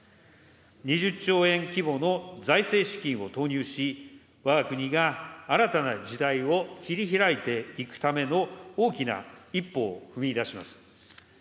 ２０兆円規模の財政資金を投入し、わが国が新たな時代を切りひらいていくための大きな一歩を踏み出します。